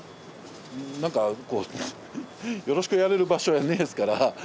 なんかこうよろしくやれる場所やねえっすから。